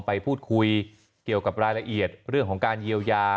ไปพูดคุยเกี่ยวกับรายละเอียดเรื่องของการเยียวยา